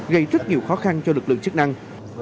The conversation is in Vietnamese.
gây rất nhiều khó khăn cho lực lượng chức năng